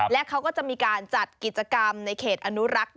และเขาก็จะมีการจัดกิจกรรมในเขตอนุรักษ์